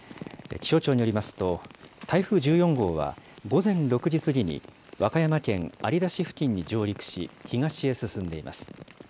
気象庁によりますと、台風１４号は、午前６時過ぎに和歌山県有田市付近に上陸し、東へ進んでいます。